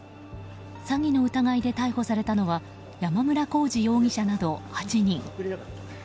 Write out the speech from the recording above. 詐欺の疑いで逮捕されたのは山村耕二容疑者など８人。